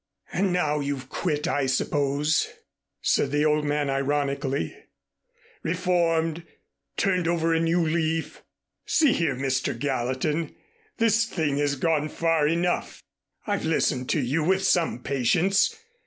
"And now you've quit, I suppose," said the old man ironically, "reformed turned over a new leaf. See here, Mr. Gallatin, this thing has gone far enough. I've listened to you with some patience.